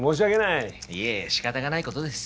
いえいえしかたがないことです。